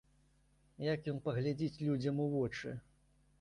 Як ён паглядзіць людзям у вочы?